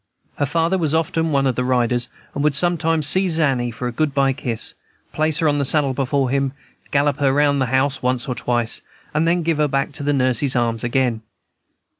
Her father was often one of the riders, and would sometimes seize Annie for a good by kiss, place her on the saddle before him, gallop her round the house once or twice, and then give her back to her nurse's arms again.